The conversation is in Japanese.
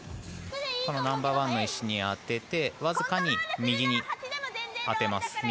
ナンバーワンの石に当てて、わずかに右に当てます。